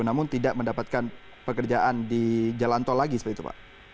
namun tidak mendapatkan pekerjaan di jalan tol lagi seperti itu pak